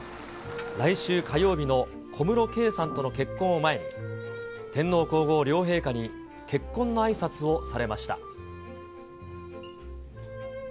来週火曜日の小室圭さんとの結婚を前に、天皇皇后両陛下に結婚のあいさつをされました。